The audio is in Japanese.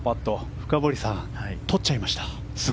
深堀さん取っちゃいました。